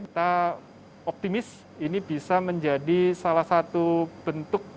kita optimis ini bisa menjadi salah satu bentuk